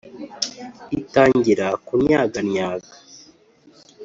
itangira kunnyagannyaga